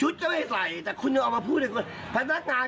เราไม่ใช่พนักงานขายแล้วเรามันเกี่ยวอะไร